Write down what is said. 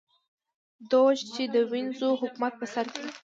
دوج چې د وینز حکومت په سر کې و